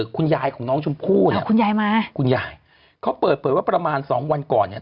คุณยายของน้องชมพู่เนี่ยคุณยายมาคุณยายเขาเปิดเผยว่าประมาณสองวันก่อนเนี่ย